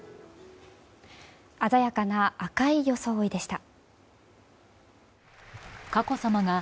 鮮やかな赤い装いでした。